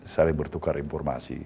saling bertukar informasi